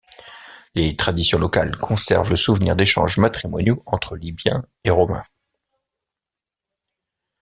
Les traditions locales conservent le souvenir d'échanges matrimoniaux entre Libyens et Romains.